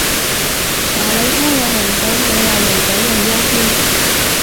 話你聽有洪水，你話人杞人憂天